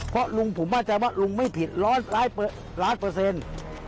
เพราะลุงผมบ้าจริงว่าลุงไม่ผิด๑๐๐ล้านเปอร์เซ็นต์